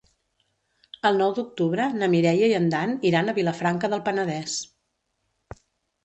El nou d'octubre na Mireia i en Dan iran a Vilafranca del Penedès.